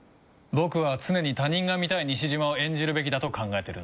僕は常に他人が見たい西島を演じるべきだと考えてるんだ。